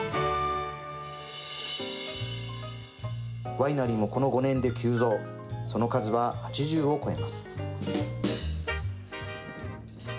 ワイナリーもこの５年で急増その数は８０を超えます。